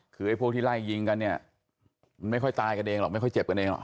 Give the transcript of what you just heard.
คือไอ้พวกที่ไล่ยิงกันเนี่ยมันไม่ค่อยตายกันเองหรอกไม่ค่อยเจ็บกันเองหรอ